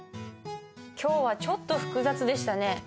今日はちょっと複雑でしたね。